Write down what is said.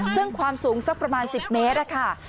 ซึ่งความสูงสักประมาณ๑๐เมตรค่ะ